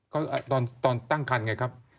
ก็ตอนตั้งคันไงครับ